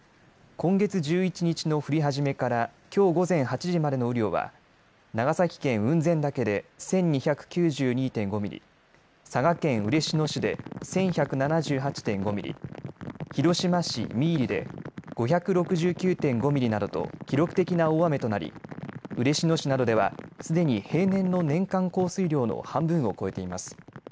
今月１１日の降り始めからきょう午前８時までの雨量は長崎県雲仙岳で１２９２．５ミリ、佐賀県嬉野市で１１７８．５ミリ、広島市三入で５６９．５ミリなどと記録的な大雨となり嬉野市などでは、すでに平年の年間降水量の半分を超えています。